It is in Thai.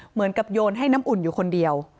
เหมือนกับโยนให้น้ำอุ่นอยู่คนเดียว